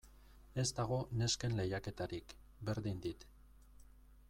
Ez dago nesken lehiaketarik, berdin dit.